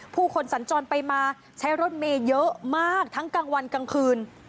ผู้คนสัญจรไปมาใช้รถเมย์เยอะมากทั้งกลางวันกลางคืน